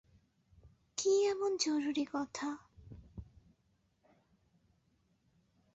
কী এমন জরুরি কথা?